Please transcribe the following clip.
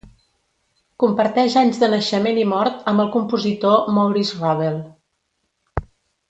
Comparteix anys de naixement i mort amb el compositor Maurice Ravel.